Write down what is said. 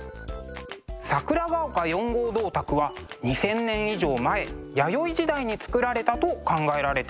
「桜ヶ丘４号銅鐸」は２，０００年以上前弥生時代に作られたと考えられています。